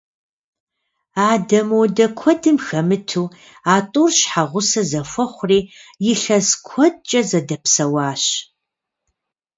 Адэ-модэ куэдым хэмыту, а тӏур щхьэгъусэ зэхуэхъури, илъэс куэдкӏэ зэдэпсэуащ.